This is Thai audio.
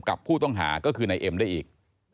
กับผู้ต้องหาก็คือนายเอ็มได้อีก